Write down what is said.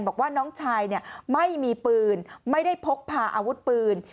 บอกว่าน้องชายไม่มีปืนไม่ได้พกพาอาวุธปืน